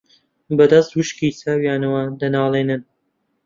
بەدەست وشکی چاویانەوە دەناڵێنن